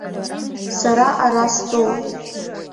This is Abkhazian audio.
Сара ара стәоуп!